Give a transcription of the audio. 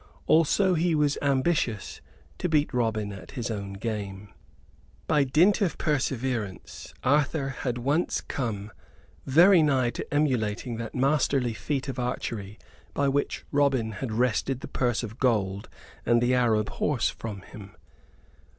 Also he was ambitious to beat Robin at his own game. By dint of perseverance Arthur had once come very nigh to emulating that masterly feat of archery by which Robin had wrested the purse of gold and the Arab horse from him.